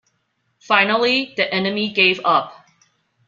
Finally the enemy gave up.